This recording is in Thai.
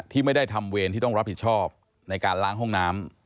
ที่ไม่ได้ทำเวรที่ต้องรับผิดชอบในการล้างห้องน้ำ